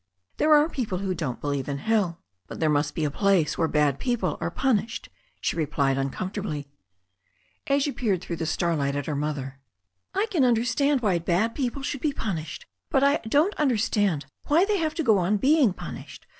"There are people who don't believe in hell. But there 134 THE STORY OF A NEW ZEALAND RIVER must be a place where bad people are punished," she re plied uncomfortably. Asia peered through the starlight at her mother, "I can understand why bad people should be punished, but I don't understand why they have to go on being punished.